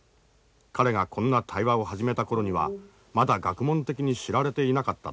彼がこんな対話を始めた頃にはまだ学問的に知られていなかっただろう。